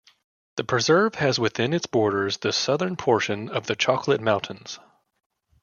The preserve has within its boundaries the southern portion of the Chocolate Mountains.